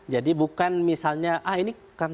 jadi bukan misalnya ah ini